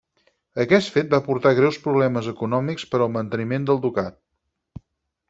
Aquest fet va portar greus problemes econòmics per al manteniment del ducat.